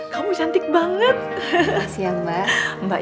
ga usah cari kesempatan